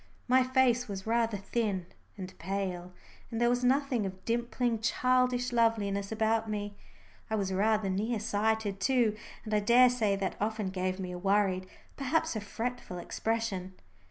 My face was rather thin and pale, and there was nothing of dimpling childish loveliness about me. I was rather near sighted too, and I daresay that often gave me a worried, perhaps a fretful expression.